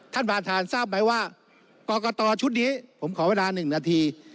ท่านประธานทราบไหมว่ากรกตชุดนี้ผมขอเวลา๑นาที